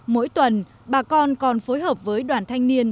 mỗi tuần bà con còn phối hợp với đoàn thanh niên